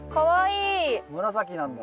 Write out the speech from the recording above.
紫なんだ。